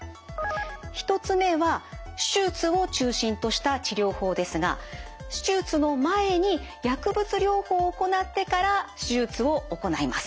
１つ目は手術を中心とした治療法ですが手術の前に薬物療法を行ってから手術を行います。